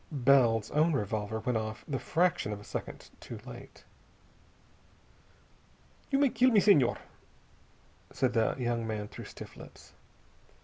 Bell's own revolver went off the fraction of a second too late. "You may kill me, Senhor," said the young man through stiff lips.